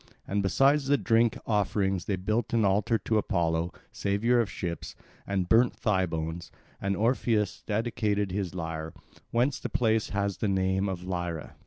And besides the drink offerings they built an altar to Apollo, saviour of ships, and burnt thigh bones; and Orpheus dedicated his lyre; whence the place has the name of Lyra.